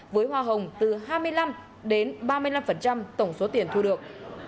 với hoa hồng từ hai mươi năm đến ba mươi năm tổng số tiền thu được